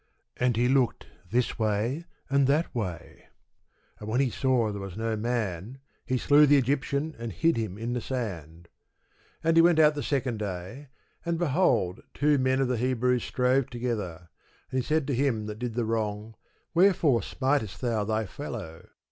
And he looked this way and that way, and when he saw that there was no man, he slew the Egyptian, and hid him in the sand. And when he went out the second day, behold two men of the Hebrews strove together: and he said to him that did the wrong, Wherefore smitest thou thy fellow?